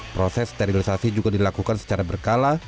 proses sterilisasi juga dilakukan secara berkala